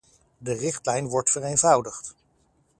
De richtlijn wordt vereenvoudigd.